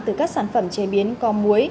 từ các sản phẩm chế biến có muối